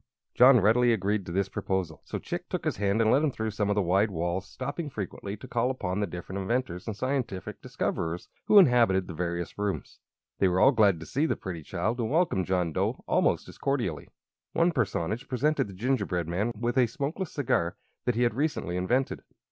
John readily agreed to this proposal; so Chick took his hand and led him through some of the wide halls, stopping frequently to call upon the different inventors and scientific discoverers who inhabited the various rooms. They were all glad to see the pretty child and welcomed John Dough almost as cordially. One personage presented the gingerbread man with a smokeless cigar that he had recently invented.